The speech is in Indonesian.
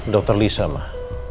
dokter lisa mah